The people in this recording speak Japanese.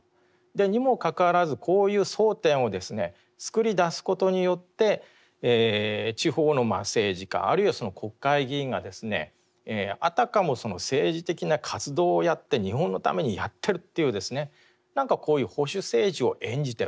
にもかかわらずこういう争点をですね作りだすことによって地方の政治家あるいは国会議員があたかもその政治的な活動をやって日本のためにやってるっていう何かこういう保守政治を演じてると。